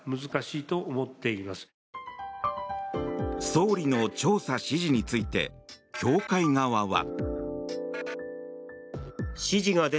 総理の調査指示について教会側は。